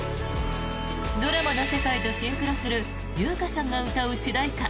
ドラマの世界とシンクロする由薫さんが歌う主題歌